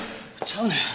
ちゃうねん。